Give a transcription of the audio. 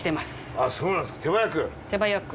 あっそうなんですか手早く。